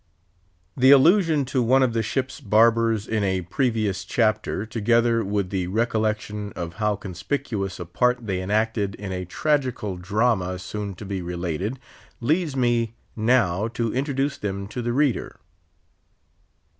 The allusion to one of the ship's barbers in a previous chapter, together with the recollection of how conspicuous a part they enacted in a tragical drama soon to be related, leads me now to introduce them to the reader.